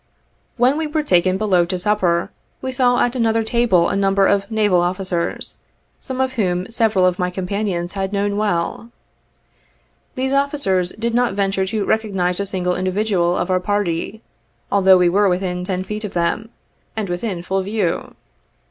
When we were taken below to supper, we saw at another table a number of naval officers, some of whom several of my companions had known well. These officers did not venture to recognize a single individual of our party, although we were within ten feet of them, and within full view.